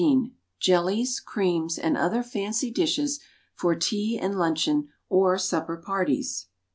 14 JELLIES, CREAMS AND OTHER FANCY DISHES FOR TEA AND LUNCHEON OR SUPPER PARTIES.